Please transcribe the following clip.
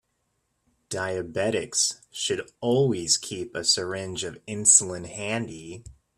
Diabetics should always keep a syringe of insulin handy.